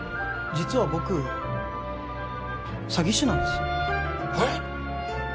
実は僕詐欺師なんですはい！？